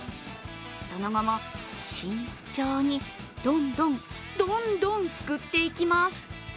その後も慎重にどんどん、どんどんすくっていきます。